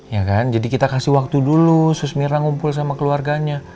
ya kan jadi kita kasih waktu dulu sus mirna ngumpul sama keluarganya